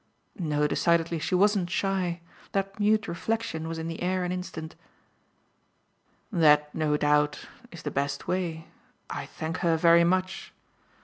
No, decidedly, she wasn't shy: that mute reflexion was in the air an instant. "That, no doubt, is the best way. I thank her very much.